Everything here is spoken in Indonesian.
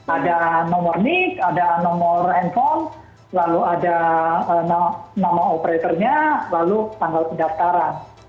ada nomor nix ada nomor handphone lalu ada nama operatornya lalu tanggal pendaftaran